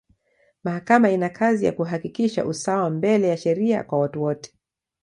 Mahakama ina kazi ya kuhakikisha usawa mbele ya sheria kwa watu wote.